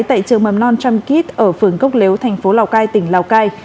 tại trường mầm non trăm kít ở phường cốc lếu thành phố lào cai tỉnh lào cai